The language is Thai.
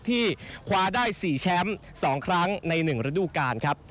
ที่คว้าได้๔แชมป์๒ครั้งใน๑ฤดูกาลครับ